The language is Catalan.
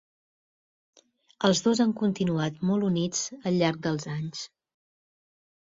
Els dos han continuat molt units al llarg dels anys.